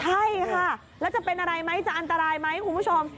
ใช่ค่ะแล้วจะเป็นอะไรไหมจะอันตรายไหมคุณผู้ชม